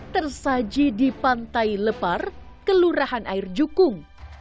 tersaji di pantai lepar kelurahan air jukung